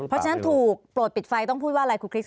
เพราะฉะนั้นถูกโปรดปิดไฟต้องพูดว่าอะไรคุณคริสต